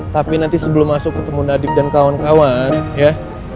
tapi nanti sebelum masuk ketemu nadieb dan kawan kawan ya